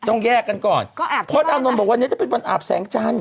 ต้องแยกกันก่อนก็อาบเพราะอานนท์บอกวันนี้จะเป็นวันอาบแสงจันท